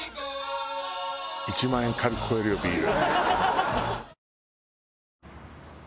１万円軽く超えるよビール。